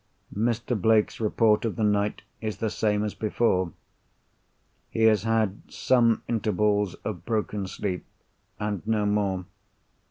Mr. Blake's report of the night is the same as before. He has had some intervals of broken sleep, and no more.